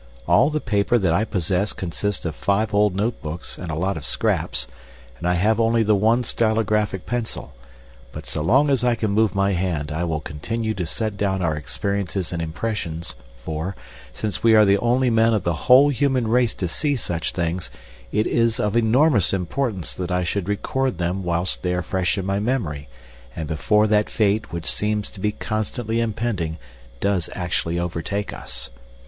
All the paper that I possess consists of five old note books and a lot of scraps, and I have only the one stylographic pencil; but so long as I can move my hand I will continue to set down our experiences and impressions, for, since we are the only men of the whole human race to see such things, it is of enormous importance that I should record them whilst they are fresh in my memory and before that fate which seems to be constantly impending does actually overtake us.